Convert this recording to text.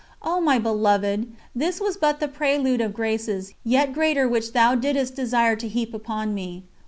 O my Beloved! this was but the prelude of graces yet greater which Thou didst desire to heap upon me.